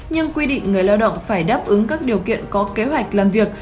nhưng quy định người lao động phải đáp ứng các điều kiện có kế hoạch làm việc